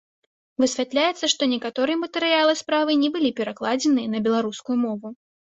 Высвятляецца, што некаторыя матэрыялы справы не былі перакладзеныя на беларускую мову.